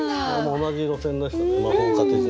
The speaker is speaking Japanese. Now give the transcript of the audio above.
同じ路線でしたね